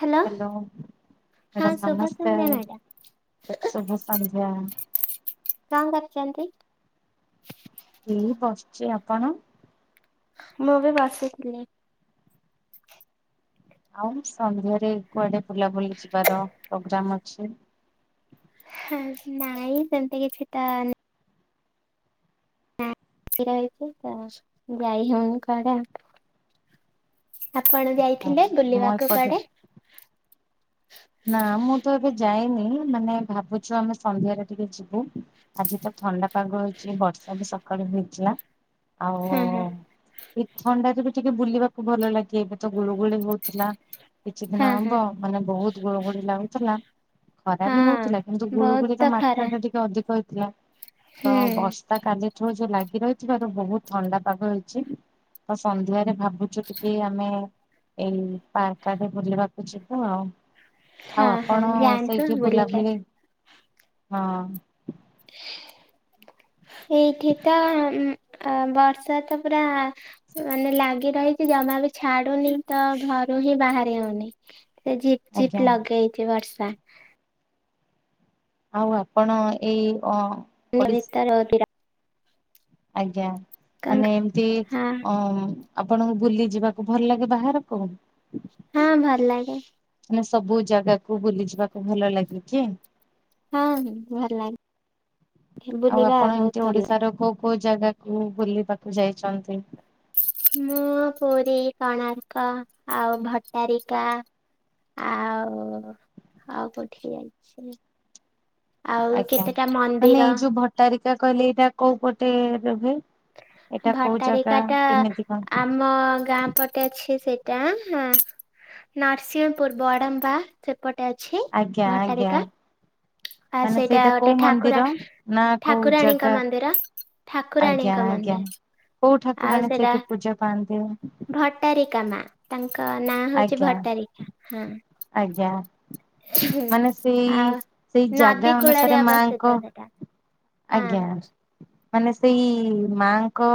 Hello hello ହଁ madam ଶୁଭ ସନ୍ଧ୍ୟା ନମସ୍କାର ମ୍ୟାଡାମ ଶୁଭ ସଂନ୍ଧ୍ୟା। କଣ କରୁଚନ୍ତି? ଏଇ ବସିଚି ଆପଣ? ମୁଁ ବି ବସିଥିଲି। ଆଉ ସନ୍ଧ୍ୟାରେ କୁଆଡେ ବୁଲାବୁଲି ଯିବାର ପ୍ରୋଗ୍ରାମ୍ ଅଛି? ହେଁ-ନାଇଁ ସେମିତି କିଛିଟା ଖୁସି ରହିଚି ତ ଯାଇ ହଉନି କୁଆଡେ। [unintelligible] ଯାଇଥିଲେ ମୁଁ ବୁଲିବାକୁ ଏପଟେ କୁଆଡେ? ନା ମୁଁ ତ ଏବେ ଯାଇନି ମାନେ ଭାବୁଚୁ ଆମେ ସନ୍ଧ୍ୟାରେ ଟିକେ ଯିବୁ। ଆଜି ତ ଥଣ୍ଡା ପାଗ ହେଇଛି ବର୍ଷା ବି ସକାଳୁ ହେଇଥିଲା ଆଉ ହଁ ହଁ। ଏଇ ଥଣ୍ଡାରେ ବି ଟିକେ ବୁଲିବାକୁ ଭଲ ଲାଗେ ଏବେ ତ ଗୁଳୁଗୁଳି ହଉଥିଲା କିଛି ଦିନ ହଁ ହଁ ହବ ମାନେ ବହୁତ ଗୁଳୁଗୁଳି ଲାଗୁଥିଲା ଖରା ବି ହଉଥିଲା କିନ୍ତୁ ହଁ ବହୁତ ଗୁଳୁଗୁଳିର ତ ଖରା ମାତ୍ରାଟା ଟିକେ ଅଧିକ ହେଇଥିଲା। ତ ହୁଁ ବର୍ଷ ତା କାଲି ଠୁ ଯୋଉ ଲାଗି ରହିଥିବାରୁ ବହୁତ ଥଣ୍ଡା ପାଗ ହେଇଚି ତ ସନ୍ଧ୍ୟାରେ ଭାବୁଚୁ ଟିକେ ଆମେ ଏଇ ପାର୍କ ଆଡେ ବୁଲିବାକୁ ଯିବୁ ଆଉ। ହଁ ଆଉ ହଁ ଆପଣ ଯାଆନ୍ତୁ ସେଇଠି ବୁଲିକି ବୁଲାବୁଲି ଆସ ହଁ ଏଇଠି ତ ବର୍ଷା ତ ପୁରା ମାନେ ଲାଗି ରହିଚି ଜମା ବି ଛାଡୁନି ତ ଘରୁ ହିଁ ବାହାରି ହଉନି। ସେ ଝିପ୍ ଆଜ୍ଞା ଝିପ୍ ଲଗେଇଚି ବର୍ଷା। ଆଉ ଆପଣ ଏଇ ଅ ନ ଓଡିଶା ତର [inaudible] ଆଜ୍ଞା କଣ ମାନେ ଏମତି ହଁ ଅ ଆପଣଙ୍କୁ ବୁଲି ଯିବାକୁ ଭଲ ଲାଗେ ବାହାରକୁ? ହଁ ଭଲ ଲାଗେ। ମାନେ ସବୁ ଜାଗାକୁ ବୁଲି ଯିବାକୁ ଭଲ ଲାଗୁଛି। ହଁ ହଁ ଭଲ ଲାଗେ ଆଉ ବୁଲିବା ଆପଣ ବହୁତ ଏମିତି ଭଲ ଓଡିଶା। କୋଉ ଜାଗାକୁ ବୁଲିବାକୁ ଯାଇଛନ୍ତି? ମୁଁ ପୁରୀ, କୋଣାର୍କ ଆଉ ଭଟାରିକା ଆଉ ଆଉ କୋଉଠିକୁ ଯାଉଚି? ଆଉ କେତେଟା ମନ୍ଦିର? ଭଟରିକା କହିଲେ ଏଇଟା କୋଉ ପଟେ ରୁହେ ଏଇଟା କୋଉ ଜାଗା ଭଟ୍ଟାରିକା ଟା କେମିତି କଣ? ଆମ ଗାଁ ପଟେ ଅଛି ସେଇଟା ନରସିଂହପୁର ବଡମ୍ବା। ସେପଟେ ଅଛି ଆଜ୍ଞା ଆଜ୍ଞା ଭଟାରିକା। ଆଉ ମାନେ ସେଇଟା କୋଉ ଗୋଟେ ମନ୍ଦିର? ଠାକୁରାଣ ନା କୋଉ ଠାକୁରାଣୀଙ୍କ ଜାଗା ମନ୍ଦିର। ଠାକୁରାଣୀ। ଆଜ୍ଞା ଆଜ୍ଞା କୋଉ ଠାକୁରାଣୀ ସେଇଠି ପୂଜା ପାଆନ୍ତି? ଭଟ୍ଟାରିକା ମା ତାଙ୍କ ନାଁ ହଉଛି ଆଜ୍ଞା ଭଟ୍ଟାରିକା। ହଁ ଆଜ୍ଞା ମାନେ ସେଇ ଆଉ ସେଇ ଜାଗା ନଦୀ କୂଳରେ ଅନୁସାରେ ମାଙ୍କ ଅବସ୍ଥିତ ସେଟା ହଁ। ଆଜ୍ଞା ମାନେ ସେଇ ମାଙ୍କ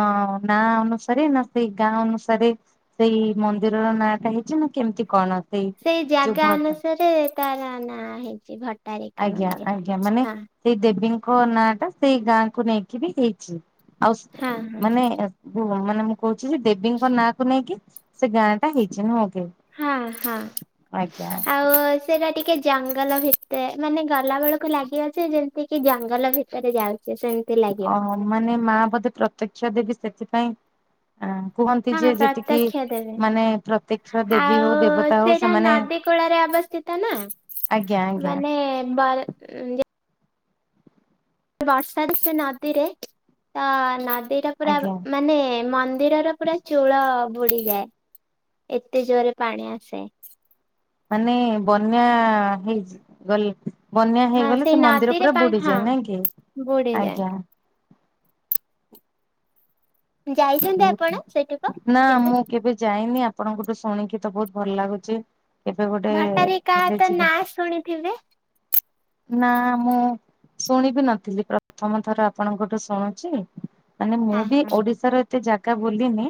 ଅଁ ନା ଅନୁସାରେ ନା ସେଇ ଗାଁ ଅନୁସାରେ? ସେଇ ମନ୍ଦିରର ନାଁଟା ହେଇଛି ନା କେମିତି କଣ? ସେଇ ଯୋଉ ଜାଗା ଭଟ ଅନୁସାରେ ତାର ନାଁ ହେଇଛି ଭଟ୍ଟାରିକା ଆଜ୍ଞା ମନ୍ଦିର ଆଜ୍ଞା ମାନେ ହଁ। ସେଇ ଦେବୀଙ୍କ ନାଁ ଟା ସେଇ ଗାଁକୁ ନେଇକି ବି ହେଇଛି ଆଉ ହଁ ହଁ ମାନେ ହୁ ମାନେ ମୁଁ କହୁଛି ଯେ ଦେବୀଙ୍କ ନାଁ କୁ ନେଇକି ସେ ଗାଁ ଟା ହେଇଛି ନୁହଁ କି? ହଁ ହଁ ଆଜ୍ଞା ଆଉ ସେଇଟା ଟିକେ ଜଙ୍ଗଲ ଭିତରେ ମାନେ ଗଲା ବେଳକୁ ଲାଗି ଯେ ଯେମତି କି ଜଙ୍ଗଲ ଭିତରେ ଯାଉଛେ ସେମ ଓ ମାନେ ମା ବୋଧେ ପ୍ରତ୍ୟକ୍ଷା ଦେବି ସେଥିପାଇଁ ଆ କୁହନ୍ତି ହଁ ଯେ ଯେତିକି ପ୍ରତ୍ୟକ୍ଷ ଦେବେ। ମାନେ ପ୍ରତ୍ୟକ୍ଷ ଦେବୀ ଆଉ ହଉ ଦେବତା ହଉ ସେଇଟା ସେମାନେ [inaudible] ଅବସ୍ଥିତ ଆଜ୍ଞା ନ ଆଜ୍ଞା ମାନେ ବଲ୍ ଯେ ବର୍ଷା ସେ ନଦୀରେ ତ ନଦୀଟା ପୁରା ଆଜ୍ଞା ମାନେ ମନ୍ଦିରର ପୁରା ଚୂଳ ବୁଡିଯାଏ ଏତେ ଜୋରରେ ପାଣି ଆସେ। ମାନେ ବନ୍ୟା ହେଇଛି ଗଲେ। ବନ୍ୟା ହଁ ହେଇଗଲେ ସେଇ ସେ ମନ୍ଦିର ନଦୀରେ ପୁରା ପାଣି ହଁ ବୁଡିଯାଏ ନାଇଁ କି ବୁଡିଯାଏ। ଆଜ୍ଞା। ଯାଇଛନ୍ତି ଆପଣ ସେଠିକୁ ନା ମୁଁ କେବେ ଯାଇନି ଆପଣଙ୍କଠୁ ଶୁଣିକି ତ ବହୁତ ଭଲ ଲାଗୁଛି। କେବେ ଗୋଟେ ଭଟାରିକା ହେଲେ ତ ଯିବା। ନାଁ ଶୁଣିଥିବେ। ନା ମୁଁ ଶୁଣିବି ନଥିଲି ପ୍ରଥମ ଥର ଆପଣଙ୍କଠୁ ଶୁଣୁଛି। ମାନେ ମୁଁ ହଁ ବି ହଁ ଓଡିଶାର ଏତେ ଜାଗା ବୁଲିନି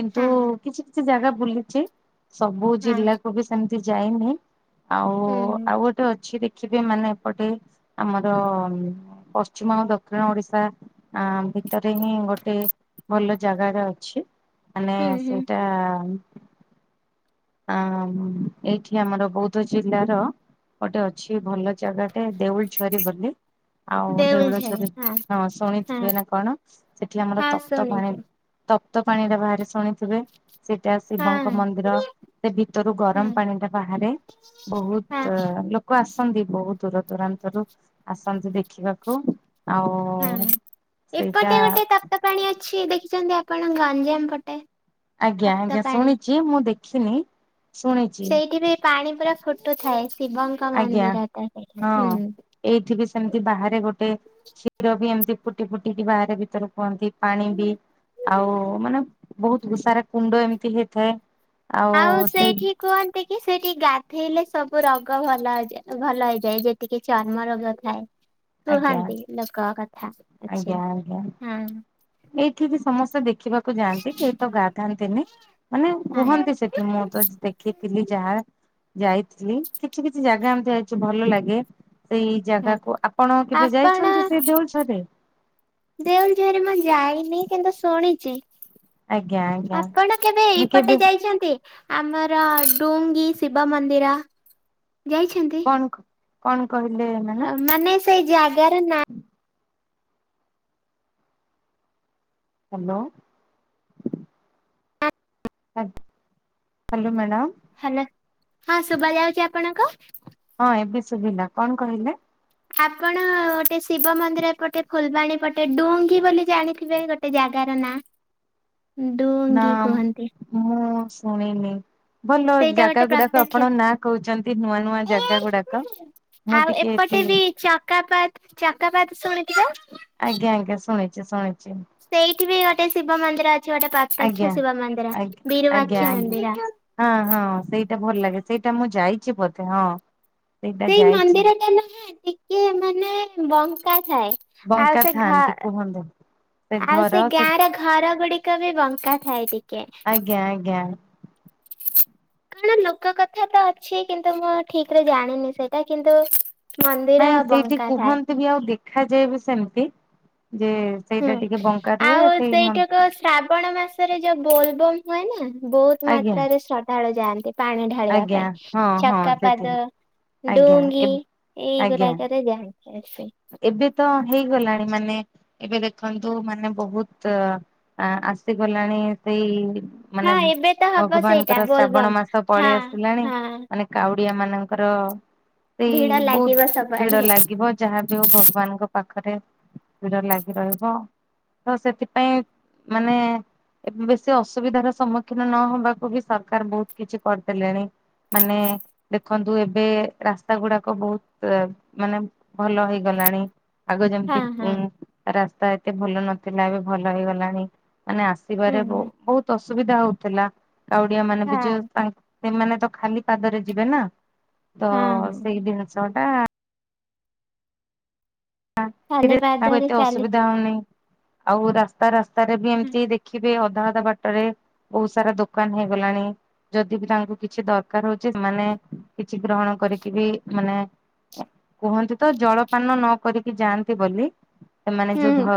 କିନ୍ତୁ ହଁ ହଁ କିଛି କିଛି ଜାଗା ବୁଲିଛି ସବୁ ହଁ ଜିଲ୍ଲାକୁ ବି ସେମିତି ଯାଇନି। ଆଉ ହୁଁ ହୁଁ ଆଉ ଗୋଟେ ଅଛି ଦେଖି ମାନେ ଏପଟେ ଆମର ପଶ୍ଚିମ ଆଉ ଦକ୍ଷିଣ ଓଡିଶା ଆ ଭିତରେ ହିଁ ଗୋଟେ ଭଲ ଜାଗାରେ ଅଛି। ମାନେ ହୁଁ ହୁଁ ସେଇଟା ହଁ ଏଇଠି ଆମର ବୌଦ୍ଧ ଜିଲ୍ଲାର ଗୋଟେ ଅଛି ଭଲ ଜାଗାଟେ ଦେଉଳ ଛରି ବୋଲି ଆଉ ଦେଉଳ ଯରୀ ହଁ ହଁ ଶୁଣିଥିବେ ନା କଣ ସେଠି ଆମର ହଁ ତପ୍ତ ପାଣି ଶୁଣିଛି ତପ୍ତ ପାଣି ଟା ବାହାରେ ଶୁଣିଥିବେ ସେଇଟା ଶିବଙ୍କ ହଁ ମନ୍ଦିର। ସେ ଭିତରୁ ଗରମ ହଁ ପାଣିଟା ବାହାରେ ହଁ ବହୁତ ଲ କୁ ଆସନ୍ତି ବହୁତ ଦୂର ଦୂରାନ୍ତରୁ ଆସନ୍ତି ଦେଖିବାକୁ। ଆଉ ହଁ ସେଇଟା ଏପଟେ ଗୋଟେ ତପ୍ତ ପାଣି ଅଛି ଦେଖିଛନ୍ତି ଆପଣ ଗଞ୍ଜାମ ପଟେ। ଆଜ୍ଞା ତପ୍ତ ଆଜ୍ଞା ପାଣି ଶୁଣିଛି ମୁଁ ଦେଖିନି। ଶୁଣିଛି ସେଇଠି ବି ପାଣି ପୁରା ଫୁଟୁଥାଏ ଶିବଙ୍କ ମନ୍ଦିର ତା ସେଠ ହୁଁ। ଏଇଠ ବି ସେମିତି ବାହାରେ ଗୋଟେ କ୍ଷୀର ବି ଏମିତି ଫୁଟି ଫୁଟିକି ବାହାରେ ଭିତରେ କୁହନ୍ତି। ପାଣି ବି ଆଉ ମାନେ ବହୁତ ଭୂଷାରା କୁଣ୍ଡ ଏମିତି ହେଇଥାଏ। ଆଉ ସେଇଠି କୁହନ୍ତି କି ସେଠି ଗାଧେଇଲେ ସବୁ ରୋଗ ଭଲା ଭଲ ହେଇଯାଏ ଯେତିକି ଚର୍ମ ରୋଗ ଥାଏ। ଆଜ୍ଞା କୁହନ୍ତି ଲୋକ କଥା। ଅଛି ଆଜ୍ଞା ଆଜ୍ଞା। ହଁ। ଏଇଠିକି ସମସ୍ତେ ଦେଖିବାକୁ ଯାଆନ୍ତି କେହି ତ ଗାଧାନ୍ତିନି ମାନେ ହଁ କୁହନ୍ତି ସେଠି ମୁଁ ତ ଦେଖିଥିଲି ଯାହା ଯାଇଥିଲି କିଛି କିଛି ଜାଗା ଏମିତି ଯାଇଛି ଭଲ ଲାଗେ। ସେଇ ଜାଗାକୁ ଆପଣ କେବେ ଆପଣ ଯାଇଛନ୍ତି ସେ ଦେଉ ଝରେ? ଦେଉଲଝରେ ମୁଁ ଯାଇନି କିନ୍ତୁ ଶୁଣିଛି। ଆଜ୍ଞା ଆଜ୍ଞା ଆପଣ କେବେ ମୁଁ କେବେ ଏଇପଟେ ଯାଇଛନ୍ତି? ଆମର ଡୁଙ୍ଗି ଶିବ ମନ୍ଦିର ଯାଇଛନ୍ତି? ଆକୁ କଣ କହିଲେ ମା ହ ମାନେ ସେଇ ଜାଗାର ନାଁ ହାଲୋ। [unintelligible] Hello madam. ହାଲୋ ହଁ ଶୁବା ଯାଉଚି ଆପଣଙ୍କୁ? ହଁ ଏବେ ଶୁବିଲା। କଣ କହିଲେ? ଆପଣ ଗୋଟେ ଶିବ ମନ୍ଦିର ପଟେ ଫୁଲବାଣୀ ପଟେ ଡୁଙ୍ଗି ବୋଲି ଜାଣିଥିବେ ଗୋଟେ ଜାଗାର ନାଁ। ନା ଡୁଙ୍ଗୀ କୁହନ୍ତି। ମୁଁ ଶୁଣିନି। ଭଲ ସେଇଟା ଜାଗା ଗୋଟେ ଗୁଡାକ ପ୍ରତ୍ୟକ୍ଷ ଆପଣ ନାଁ କୋହୁଚନ୍ତି ନୂଆ ନୂଆ ଜାଗା ଗୁଡାକ। ମୁଁ ଆଉ ଟିକେ ଏତେ ଏପଟେ ବି ଚକାପାତ ଚକାପାତ ଶୁଣି ଥିବେ। ଆଜ୍ଞା ଆଜ୍ଞା ଶୁଣିଚି ଶୁଣିଚି। ସେଇଠି ବି ଗୋଟେ ଶିବ ମନ୍ଦିର ଅଛି। ଗୋଟେ ଆଜ୍ଞା ପ୍ରତେକ୍ଷ ଶିବ ମନ୍ଦିର ଆଜ୍ଞା ଆଜ୍ଞା ବିରୁବାକ୍ଷ ଆଜ୍ଞା ମନ୍ଦିର। ହଁ ହଁ ସେଇଟା ଭଲ ଲାଗେ ସେଇଟା ମୁଁ ଯାଇଚି ବୋଧେ ହଁ। ସେଇଟା ସେଇ ଯାଇଛି ମନ୍ଦିରଟା ନୁହେଁ ଟିକେ ମାନେ ବଙ୍କା ଥାଏ। ବଙ୍କା ଆଉ ସେ ଘା ଥାଆନ୍ତି କୁହନ୍ତୁ ଆଉ ସେ ଗାଁ ର ଘର ଗୁଡିକ ବି ବଙ୍କା ଥାଏ ଟିକେ। ଜ୍ଞା ଜ୍ଞା କଣ ଲୋକ କଥା ତ ଅଛି କିନ୍ତୁ ମୁଁ ଠିକ୍ ରେ ଜାଣିନି ସେଇଟା କିନ୍ତୁ ମନ୍ଦିର ନାଇଁ ସେଇଠି ବଙ୍କା ଥାଏ କୁହନ୍ତି ବି ଆଉ ଦେଖାଯାଏ ବି ସେମିତି ଯେ ହୁଁ ସେଇଟା ଟିକେ ବଙ୍କା ରୁହେ ଆଉ ସେଇ ମ ସେଇଠୋ କସ ଶ୍ରାବଣ ମାସରେ ଯୋଉ ବୋଲବମ ହୁଏ ନା ବୋହୁତ ଆଜ୍ଞା ମାତ୍ରାରେ ଶ୍ରଦ୍ଧାଳୁ ଯାଆନ୍ତି। ପାଣି ଢାଳିବା ଆଜ୍ଞା ପାଇଁ ହଁ ହଁ ସେଠି ଚକାପାଦ ଆଜ୍ଞା ଡୁଙ୍ଗି ଏବ୍ ଏଇ ଆଜ୍ଞା ଗୁରାକରେ ଯାଆ [unintelligible] ଏବେ ତ ହେଇଗଲାଣି ମାନେ ଏବେ ଦେଖନ୍ତୁ ମାନେ ବୋହୁତ ଆସିଗଲାଣି ସେଇ ମାନେ ହଁ ଏବେ ତ ହବ ସେଇଟା ଭଗବାନଙ୍କର ଶ୍ରାବଣ ବୋଲବମ୍ ମାସ ହଁ ପଳେଇ ଆସିଲାଣି ହଁ। ମାନେ କାଉଡିଆ ମାନଙ୍କର ସେଇ ଭିଡ ଲାଗିବ ବୋହୁତ ଭିଡ ସବୁଆଡେ ଲାଗିବ ଯାହା ଯୋଉ ଭଗବାନଙ୍କ ପାଖରେ ଭିଡ ଲାଗି ରହିବ ତ ସେଥିପାଇଁ ମାନେ ଏବେ ବେଶୀ ଅସୁବିଧାର ସମୁଖୀନ ନହବାକୁ ବି ସରକାର ବୋହୁତ କିଛି କରିଦେଲେଣି। ମାନେ ଦେଖନ୍ତୁ ଏବେ ରାସ୍ତା ଗୁଡାକ ବୋହୁତ ମାନେ ଭଲ ହେଇ ଗଲାଣି ଆଗରୁ ଯେମିତି ହଁ ହଁ ଉଁ ରାସ୍ତା ଏତେ ଭଲ ନଥିଲା ଏବେ ଭଲ ହେଇଗଲାଣି। ମାନେ ହୁଁ ଆସିବାରେ ବୋହୁତ ଅସୁବିଧା ହୋଉଥିଲା କାଉଡିଆ ମାନେ ବି ହଁ [unintelligible] ସେମାନେ ତ ଖାଲି ପାଦରେ ଯିବେ ନା ତ ହଁ ହଁ। ସେଇ ଜିନିଷ ଟା [unintelligible] ଖାଲି କାହାକୁ ପାଦରେ ଏତେ ଚାଲି ଅସୁବିଧା ହୋଉନି ଆଉ ରାସ୍ତା ରାସ୍ତାରେ ବି ହୁଁ ଏମିତି ଦେଖିବ ଏବେ ଅଧା ଅଧା ବାଟ ରେ ବୋହୁତ ସାରା ଦୋକାନ ହେଇଗଲାଣି। ଯଦି ବି ତାଙ୍କୁ କିଛି ଦରକାର ହୋଉଚି ସେମାନେ କିଛି ଗ୍ରହଣ କରିକି ବି ମାନେ କୁହନ୍ତି ତ ଜଳପାନ ନ କରିକି ଯାଆନ୍ତି ବୋଲି ସେମାନେ ଯୋଉ ଧ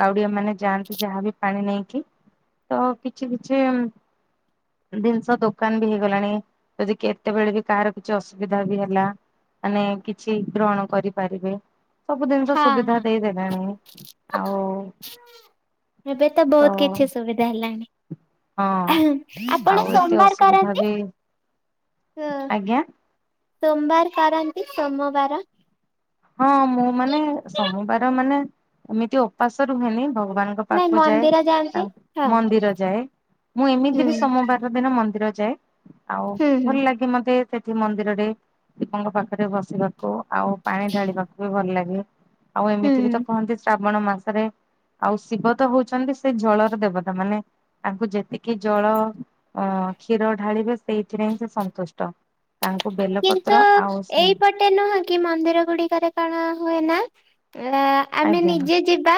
କାଉଡିଆ ମାନେ ଯାଆନ୍ତି ଯାହାବି ପାଣି ନେଇକି ତ କିଛି କିଛି ଉଁ ଜିନିଷ ଦୋକାନ ବି ହେଇଗଲାଣି ଯଦି କେତେବେଳେ ବି କାହାର କିଛି ଅସୁବିଧା ବି ହେଲା। ମାନେ କିଛି ଗ୍ରହଣ କରିପାରିବେ। ସବୁ ଜିନିଷ ହଁ ସୁବିଧା ହଁ। ଦେଇ ଦେଲାଣି ଆଉ। ଏବେ ତ ବୋହୁତ କିଛି ସୁବିଧା ହଁ। ହେଲାଣି। ଆପଣ ଆଉ ଏତେ ସୋମବାର ଅସୁବିଧା କରନ୍ତି? ବି ଆଜ୍ଞା। ସୋମବାର କରନ୍ତି ସୋମବାର? ହଁ ମୁଁ ମାନେ ସୋମବାର ମାନେ ଏମିତି ଓପାସ ରୁହେନି ଭଗବାନ ଙ୍କ ନାଇଁ ପାଖକୁ ଯାଏ ମନ୍ଦିର ତା ଯାଆନ୍ତି ହଁ ମନ୍ଦିର ଯାଏ। ମୁଁ ହୁଁ ଏମିତି ବି ସୋମବାର ଯୋଉ ଦିନ ମନ୍ଦିର ଯାଏ ଆଉ ହୁଁ ଭଲ ହୁଁ ଲାଗେ ମତେ ସେଠି ମନ୍ଦିରରେ ଶିବଙ୍କ ପାଖରେ ବସିବାକୁ ଆଉ ପାଣି ଢାଳିବାକୁ ବି ଭଲ ଲାଗେ। ଆଉ ଏମିତି ବି ତ ହୁଁ। କହନ୍ତି ଶ୍ରାବଣ ମାସରେ ଆଉ ଶିବ ତ ହୋଉଚନ୍ତି ସେ ଜଳର ଦେବତା ମାନେ ତାଙ୍କୁ ଯେତିକି ଜଳ କ୍ଷୀର ଢ଼ାଳିବେ, ସେଇଥିରେ ସେ ସନ୍ତୁଷ୍ଟ। ତାଙ୍କୁ କିନ୍ତୁ ବେଲପତ୍ର ଆଉ ଏଇପଟେ ନୁହଁ କି, ମନ୍ଦିର ଗୁଡ଼ିକରେ କ'ଣ ହୁଏ ନା ଆଜ୍ଞା ଆମେ ଆଜ୍ଞା ନିଜେ ଯିବା,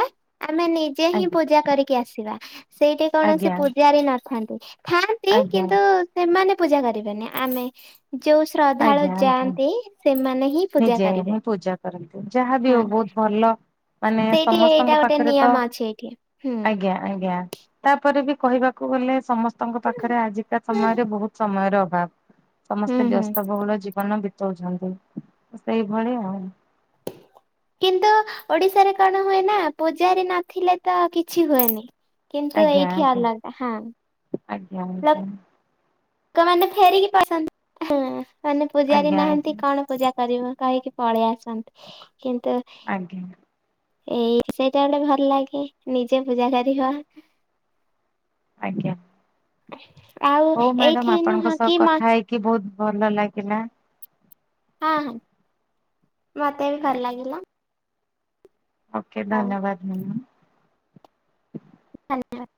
ଆମେ ନିଜେ ହିଁ ପୂଜା କରିକି ଆସିବା। ସେଇଠଟି କୌଣସି ଆଜ୍ଞା ପୂଜାରୀ ନଥାନ୍ତି। ଥାନ୍ତି ଆଜ୍ଞା। କିନ୍ତୁ ସେମାନେ ପୂଜା କରିବେନି, ଆମେ ଯଉ ଶ୍ରଦ୍ଧାଳୁ ଆଜ୍ଞା ଆଜ୍ଞା ଯାଆନ୍ତି ସେମାନେ ହିଁ ପୂଜା କରିବେ ହିଁ ପୂଜା କର, ଯାହାବି ହଁ। ହଉ ବହୁତ୍ ଭଲ। ମାନେ ସେଇଠି ଏଇଟା ସମସ୍ତଙ୍କ ଗୋଟେ ପାଖରେ ତ ନିୟମ ଅଛି ଏଇଠି ହୁଁ। ଆଜ୍ଞା। ଆଜ୍ଞା, ତା'ପରେ ବି କହିବାକୁ ଗଲେ ସମ ଙ୍କ ପାଖରେ ଆଜିକା ସମୟରେ ବହୁତ୍ ସମୟର ଅଭାବ୍, ହୁଁ ସମସ୍ତେ ହୁଁ ବ୍ୟସ୍ତ ବହୁଳ ଜୀବନ ସେଇ ଭଳି ଆଉ। କିନ୍ତୁ ଓଡିଶାରେ କ'ଣ ହୁଏ ନା, ପୂଜାରୀ ନଥିଲେ ତ କିଛି ହୁଏନି। କିନ୍ତୁ, ଆଜ୍ଞା ଏଇଠି ଆଜ୍ଞା ଅଲଗା [inaudible] ଲୋକମାନେ ଫେରିକି ମାନେ ପୂଜାରୀ ଆଜ୍ଞା ନାହାନ୍ତି ଆଜ୍ଞା କ'ଣ ପୂଜା କରିବୁ। କହିକି ପଳେଇ ଆସନ୍ତି। କିନ୍ତୁ ଆଜ୍ଞା। ଏଇ ସେଇଟା ଭଲ୍ ଲାଗେ ନିଜେ ପୂଜା କରି। ଆଜ୍ଞା। ଆଉ ହଉ ମ୍ୟାଡାମ୍ ଏଇଠି ଆପଣଙ୍କ ନୁହଁ ସହ କି ହଁ କଥା ହେଇକି, ବହୁତ୍ ଭଲ ଲାଗିଲା। ମତେ ବି ଭଲ୍‌ ଆଜ୍ଞା ଲାଗିଲା। ଓକେ ହଉ ଧନ୍ୟବାଦ୍‌ [inaudible]